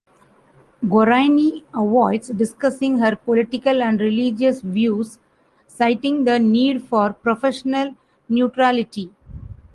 Gorani avoids discussing her political and religious views, citing the need for professional neutrality.